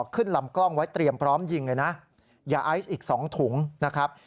ขึ้นลำกล้องไว้เตรียมพร้อมยิงเลยนะยาไอซ์อีก๒ถุงนะครับ